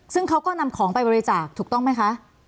ซึ่งเขาก็นำของไปบริจาคถูกต้องไหมคะ